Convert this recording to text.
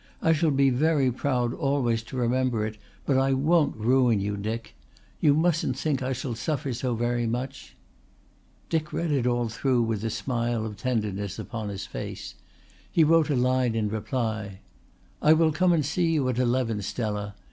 I shall be very proud always to remember it, but I won't ruin you, Dick. You mustn't think I shall suffer so very much ..." Dick read it all through with a smile of tenderness upon his face. He wrote a line in reply. "I will come and see you at eleven, Stella.